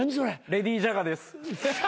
レディー・ジャガです。